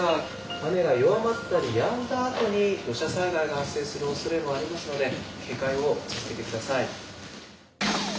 雨が弱まったりやんだあとに土砂災害が発生するおそれもありますので警戒を続けて下さい。